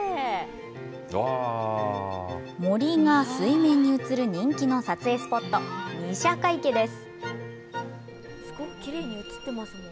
森が水面に映る人気の撮影スポット、御射鹿池です。